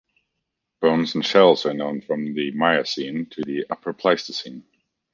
Bones and shells are known from the Miocene to the Upper Pleistocene.